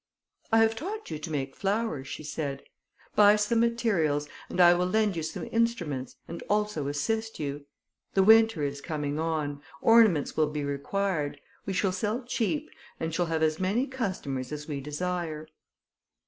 "I have taught you to make flowers," she said; "buy some materials, and I will lend you some instruments, and also assist you. The winter is coming on, ornaments will be required, we shall sell cheap, and shall have as many customers as we desire."